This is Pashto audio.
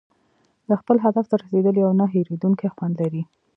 د خپل هدف ته رسېدل یو نه هېریدونکی خوند لري.